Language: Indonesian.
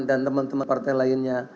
dan teman teman partai lainnya